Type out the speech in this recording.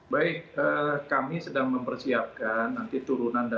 baik kami sedang mempersiapkan nanti turunan